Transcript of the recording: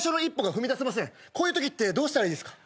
こういうときってどうしたらいいですか？